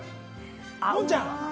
のんちゃん？